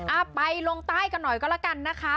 อ่ะไปลงใต้กันหน่อยก็แล้วกันนะคะ